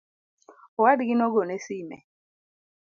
Owadgi nogone sime